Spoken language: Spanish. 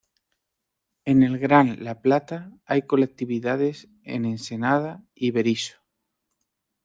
En el Gran La Plata, hay colectividades en Ensenada y Berisso.